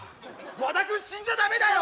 和田君死んじゃ駄目だよ！